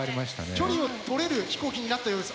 距離をとれる飛行機になったようです。